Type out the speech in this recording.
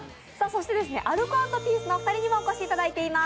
アルコ＆ピースのお二人にもお越しいただいています。